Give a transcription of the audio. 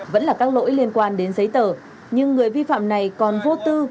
vẫn là các lỗi liên quan đến giấy tờ nhưng người vi phạm này còn vô tư